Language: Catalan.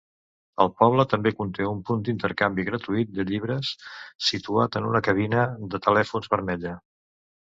El poble també conté un punt d'intercanvi gratuït de llibres situat en una cabina de telèfons vermella.